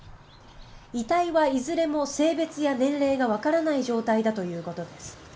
遺体はいずれも性別や年齢がわからない状態だということです。